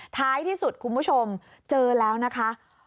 ท้ายที่สุดคุณผู้ชมเจอแล้วนะคะ